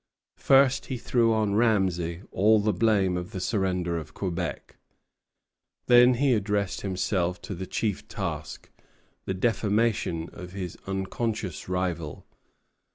First, he threw on Ramesay all the blame of the surrender of Quebec. Then he addressed himself to his chief task, the defamation of his unconscious rival.